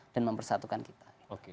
dan mempersatukan kita